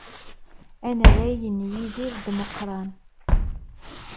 Anarag n Yidir d Moqran.